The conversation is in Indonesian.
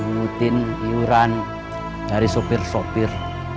ngungutin iuran dari sopir sopir